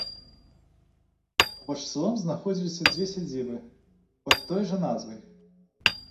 Побач з сялом знаходзіліся дзве сядзібы пад той жа назвай.